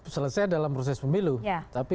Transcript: selesai dalam proses pemilu tapi